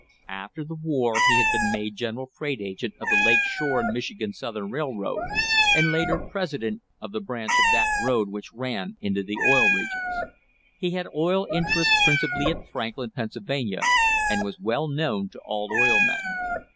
After the war he had been made general freight agent of the Lake Shore and Michigan Southern Railroad, and later president of the branch of that road which ran into the Oil Regions. He had oil interests principally at Franklin, Pennsylvania, and was well known to all oil men.